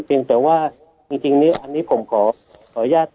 จริงแต่ว่าอันนี้ผมขออนุญาต